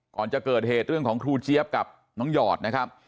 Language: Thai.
ก่อนจะเกิดเหตุเรื่องของครูเจี๊ยบกับน้องหยอดนะครับ